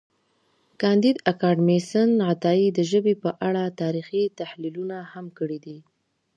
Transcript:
کانديد اکاډميسن عطایي د ژبې په اړه تاریخي تحلیلونه هم کړي دي.